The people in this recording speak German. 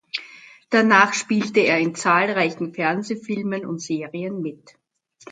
Danach spielte er in zahlreichen Fernsehfilmen und -serien mit.